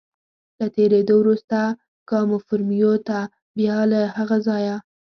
له تېرېدو وروسته کاموفورمیو ته، بیا له هغه ځایه.